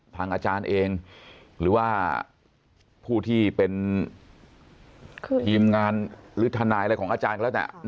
ทางอาจารย์เองหรือว่าผู้ที่เป็นทีมงานหรือทนายอะไรของอาจารย์ก็แล้วแต่